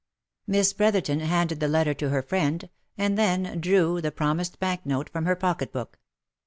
Miss Brotherton handed the letter to her friend, and then drew the promised bank note from her pocket book.